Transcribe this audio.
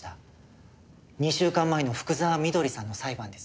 ２週間前の福沢美登里さんの裁判です。